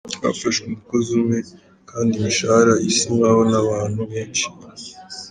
Kuki hafashwe umukozi umwe kandi imishahara isinywaho n’abantu benshi ?